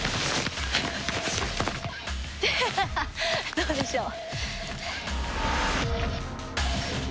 どうでしょう？